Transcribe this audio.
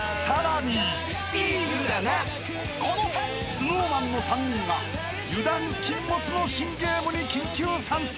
［ＳｎｏｗＭａｎの３人が油断禁物の新ゲームに緊急参戦］